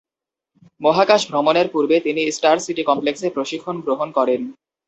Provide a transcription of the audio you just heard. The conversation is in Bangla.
মহাকাশ ভ্রমণের পূর্বে তিনি স্টার সিটি কমপ্লেক্সে প্রশিক্ষণ গ্রহণ করেন।